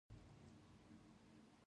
ایا ستاسو خپلوان له تاسو ګیله نلري؟